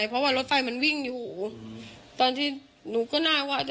ตกลงไปจากรถไฟได้ยังไงสอบถามแล้วแต่ลูกชายก็ยังไง